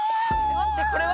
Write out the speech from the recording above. まってこれは？